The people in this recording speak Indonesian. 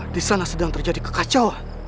disana sedang terjadi kekacauan